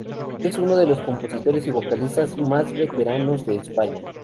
Es uno de los compositores y vocalistas más veteranos de España.